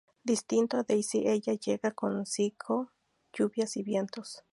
Distinto a Daisy, Ela llega consigo lluvias y vientos.